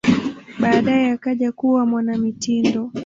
Baadaye akaja kuwa mwanamitindo.